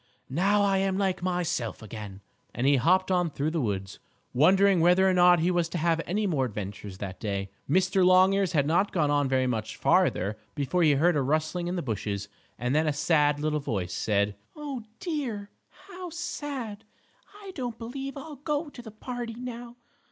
"Now I am like myself again," and he hopped on through the woods, wondering whether or not he was to have any more adventures that day. Mr. Longears had not gone on very much farther before he heard a rustling in the bushes, and then a sad little voice said: "Oh, dear! How sad! I don't believe I'll go to the party now!